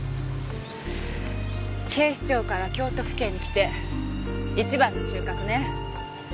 警視庁から京都府警に来て一番の収穫ね。